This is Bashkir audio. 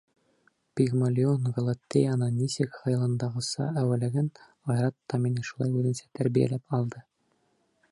Пигмалион Галатеяны нисек хыялындағыса әүәләгән, Айрат та мине шулай үҙенсә тәрбиәләп алды...